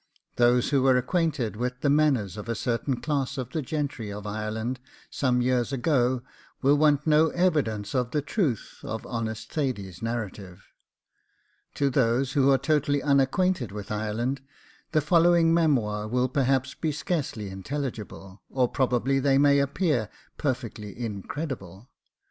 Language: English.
Those who were acquainted with the manners of a certain class of the gentry of Ireland some years ago, will want no evidence of the truth of honest Thady's narrative; to those who are totally unacquainted with Ireland, the following Memoirs will perhaps be scarcely intelligible, or probably they may appear perfectly incredible.